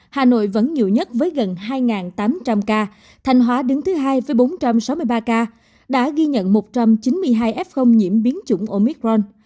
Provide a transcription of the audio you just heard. hà nội vẫn nhiều nhất với gần hai tám trăm linh ca thanh hóa đứng thứ hai với bốn trăm sáu mươi ba ca đã ghi nhận một trăm chín mươi hai f nhiễm biến chủng omicron